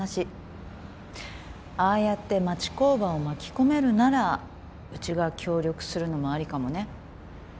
ああやって町工場を巻き込めるならうちが協力するのもありかもね。